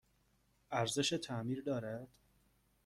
ارزش تعمیر دارد؟